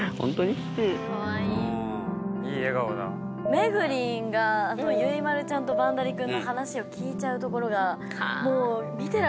めぐりんがゆいまるちゃんとバンダリ君の話を聞いちゃうところがもう見てらんなくて。